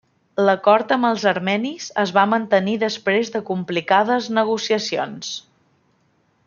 L'acord amb els armenis es va mantenir després de complicades negociacions.